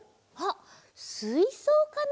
あっすいそうかな？